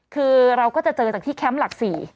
คือเราก็จะเจอจากที่แคมป์หลัก๔